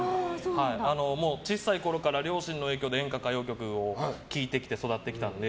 小さいころから両親の影響で演歌、歌謡曲を聴いて育ってきたので。